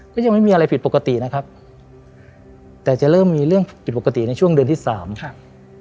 ก็ยังไม่มีอะไรผิดปกตินะครับแต่จะเริ่มมีเรื่องผิดปกติในช่วงเดือนที่สามครับ